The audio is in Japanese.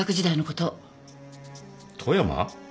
富山？